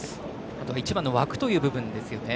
あと１番の枠という部分ですよね。